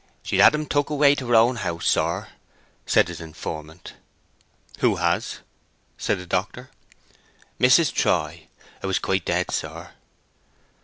"She's had him took away to her own house, sir," said his informant. "Who has?" said the doctor. "Mrs. Troy. 'A was quite dead, sir."